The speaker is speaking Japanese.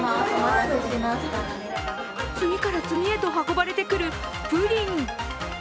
次から次へと運ばれてくるプリン。